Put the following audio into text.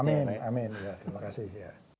amin amin terima kasih